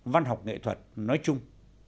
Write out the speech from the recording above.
văn học nghệ thuật nói chung